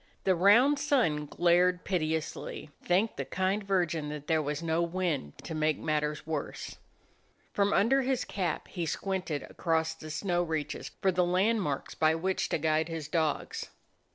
The round sun glared pitilessly; thank the kind Virgin that there was no wind to make matters worse. From under his cap he squinted across the snow reaches for the landmarks by which to guide his dogs.